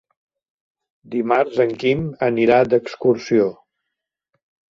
Dimarts en Quim anirà d'excursió.